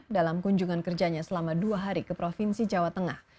dalam kunjungan kerjanya selama dua hari ke provinsi jawa tengah